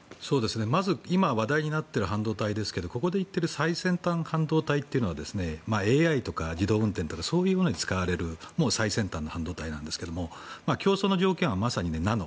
まず話題になっている半導体ですがここで言ってる最先端半導体というのはＡＩとか自動運転とかそういうものに使われる半導体なんですけど条件はまさに、ナノ。